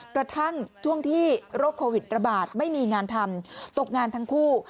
กระทั่งช่วงที่โรคโควิดระบาดไม่มีงานทำตกงานทั้งคู่